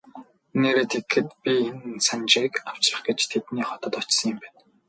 Нээрээ тэгэхэд би энэ Санжийг авчрах гэж тэдний хотод очсон юм байна.